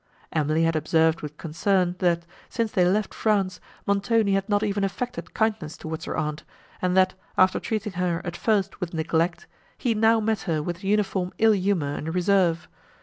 Emily had observed with concern, that, since they left France, Montoni had not even affected kindness towards her aunt, and that, after treating her, at first, with neglect, he now met her with uniform ill humour and reserve.